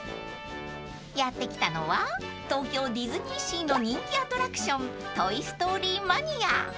［やって来たのは東京ディズニーシーの人気アトラクショントイ・ストーリー・マニア！］